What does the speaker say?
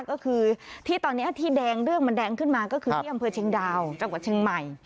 ก็คือที่ตอนนี้ที่แดงเรื่องมันแดงขึ้นมาก็คือที่อำเภอเชียงดาวจังหวัดเชียงใหม่